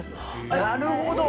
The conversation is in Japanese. なるほど。